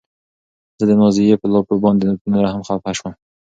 زه د نازيې په لافو باندې نوره هم ډېره خپه شوم.